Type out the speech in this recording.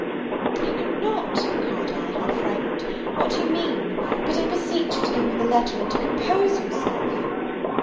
"I know not," cried I, half frightened, "what you mean; but I beseech you to give me the letter, and to compose yourself."